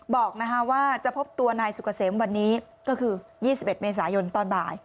บอกว่าจะพบตัวนายสุกเกษมวันนี้ก็คือ๒๑เมษายนตอนบ่าย